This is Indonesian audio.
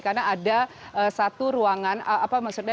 karena ada satu ruangan apa maksudnya